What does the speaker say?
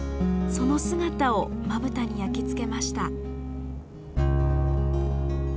その姿をまぶたに焼きつけました。